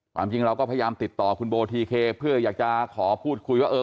ความจริงเราก็พยายามติดต่อคุณโบทีเคเพื่ออยากจะขอพูดคุยว่าเออ